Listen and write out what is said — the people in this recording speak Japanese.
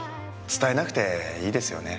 伝えなくていいですよね？